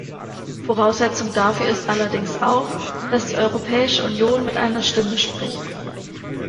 Voraussetzung dafür ist allerdings auch, dass die Europäische Union mit einer Stimme spricht.